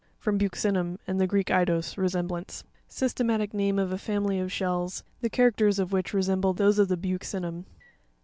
—F rom buccinum, and the Greek, eidos, resemblance. Systematic name of a family of shells, the characters of which re semble those of the Buccinum.